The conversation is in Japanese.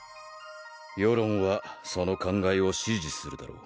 世論はその考えを支持するだろう。